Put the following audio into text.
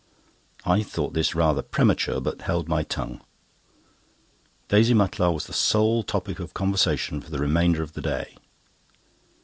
I thought this rather premature, but held my tongue. Daisy Mutlar was the sole topic of conversation for the remainder of the day.